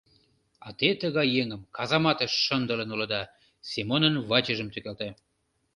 А те тыгай еҥым казаматыш шындылын улыда, — Семонын вачыжым тӱкалта.